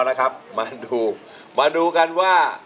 อย่ากินอย่าดมอย่าขีดอย่าทา